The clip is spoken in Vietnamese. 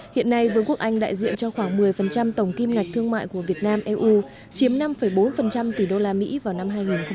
hiện nay vương quốc anh đại diện cho khoảng một mươi tổng kim ngạch thương mại của việt nam eu chiếm năm bốn tỷ usd vào năm hai nghìn một mươi năm